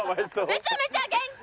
めちゃめちゃ元気！